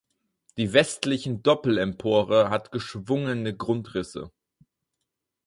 Die westlichen Doppelempore hat geschwungene Grundrisse.